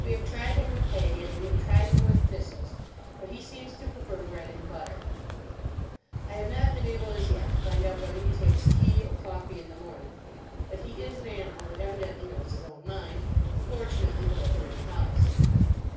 We have tried him with hay, and we have tried him with thistles; but he seems to prefer bread and butter. I have not been able as yet to find out whether he takes tea or coffee in the morning. But he is an animal that evidently knows his own mind, and fortunately both are in the house.